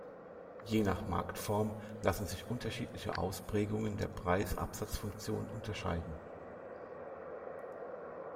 Je nach Marktform lassen sich unterschiedliche Ausprägungen der Preis-Absatz-Funktion unterscheiden.